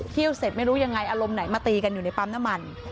เสร็จไม่รู้ยังไงอารมณ์ไหนมาตีกันอยู่ในปั๊มน้ำมัน